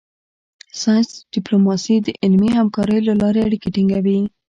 ساینس ډیپلوماسي د علمي همکاریو له لارې اړیکې ټینګوي